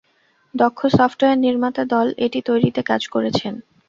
দক্ষ সফটওয়্যার নির্মাতা দল এটি তৈরিতে কাজ করেছেন।